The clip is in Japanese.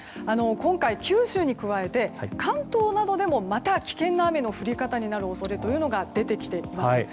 今回、九州に加えて関東などでもまた危険な雨の降り方になる恐れというのが出てきています。